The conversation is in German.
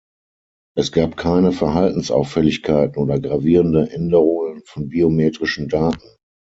Es gab keine Verhaltensauffälligkeiten oder gravierende Änderungen von biometrischen Daten.